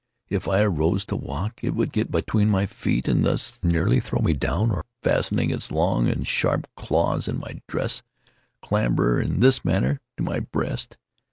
If I arose to walk it would get between my feet and thus nearly throw me down, or, fastening its long and sharp claws in my dress, clamber, in this manner, to my breast.